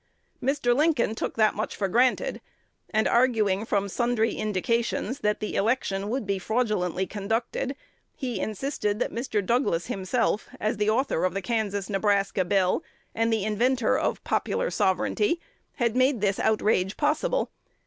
Mr. Lincoln took that much for granted; and, arguing from sundry indications that the election would be fraudulently conducted, he insisted that Mr. Douglas himself, as the author of the Kansas Nebraska Bill, and the inventor of "popular sovereignty," had made this "outrage" possible.